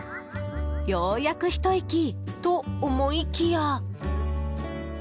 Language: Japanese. ようやくひと息と思いきや。